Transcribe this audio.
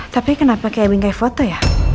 tapi kenapa kayak bingkai foto ya